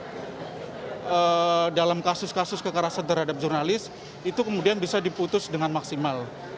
karena dalam kasus kasus kekerasan terhadap jurnalis itu kemudian bisa diputus dengan maksimal